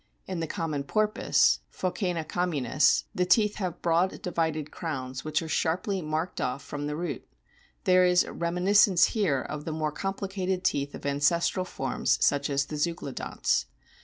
In the common Porpoise, Phocana communis, the teeth have broad divided crowns, which are sharply marked off from the root ; there is a reminiscence here of the more complicated teeth of ancestral forms, such as the Zeuglodonts.